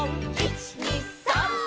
「１２３」